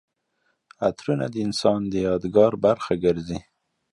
عطرونه د انسان د یادګار برخه ګرځي.